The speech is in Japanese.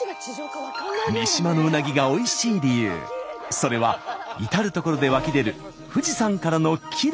それは至る所で湧き出る富士山からのきれいな湧き水。